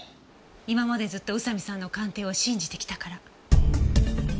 今までずっと宇佐見さんの鑑定を信じてきたから。